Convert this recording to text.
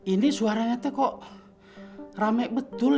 ini suaranya teh kok rame betul ya